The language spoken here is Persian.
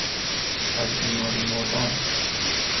از بیماری مردن